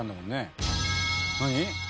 何？